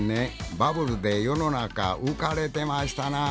バブルで世の中浮かれてましたなぁ。